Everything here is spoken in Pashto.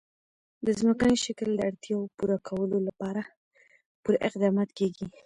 د ځمکني شکل د اړتیاوو پوره کولو لپاره پوره اقدامات کېږي.